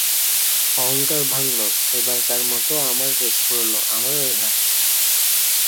অহংকার ভাঙল–এবারকার মতো আমার রেস ফুরোল, আমারই হার।